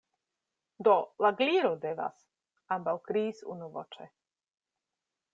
"Do, la Gliro devas," ambaŭ kriis unuvoĉe.